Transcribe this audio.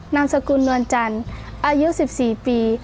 นามสกุลนวลจันทร์อายุ๑๔ปี